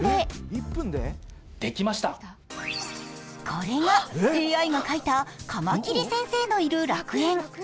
これがＡＩが描いたカマキリ先生のいる楽園。